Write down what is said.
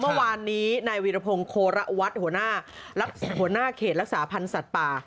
เมื่อวานนี้นายวีรพงศ์โคระวัดหัวหน้าเขตรักษาพันธ์สัตว์ป่า